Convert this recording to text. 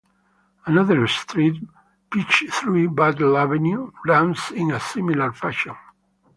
Another street, Peachtree Battle Avenue, runs in a similar fashion.